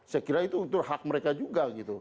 saya kira itu untuk hak mereka juga